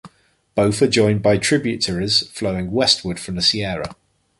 Both are joined by tributaries flowing westward from the Sierra.